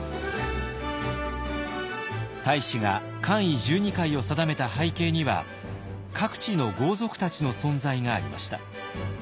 太子が冠位十二階を定めた背景には各地の豪族たちの存在がありました。